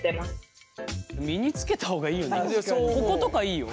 こことかいいよ。